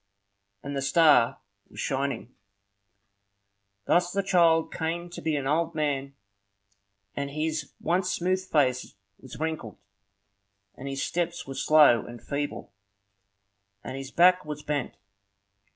And the star was shining. Thus the child came to be an old man, and his once smooth face was wrinkled, and his steps were slow and feeble, and his back was bent.